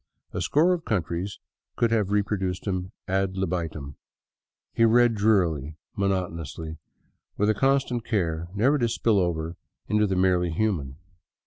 A score of countries could have reproduced him ad libitum. He read drearily, monotonously, with constant care never to spill over into the merely human.